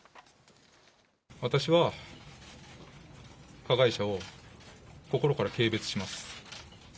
私は加害者を心から軽蔑します。